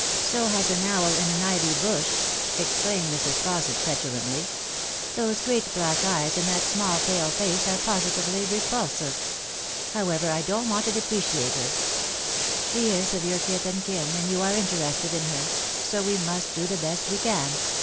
" So has an owl inanivy bush,"exclaimed Mrs. Fausset petu lantly. " Those great black eyes in that small pale face are positively repulsive. However, I don't want to depreciate her. IShe is of your kith and kin, and you are interested in her ; so we must do the best we can.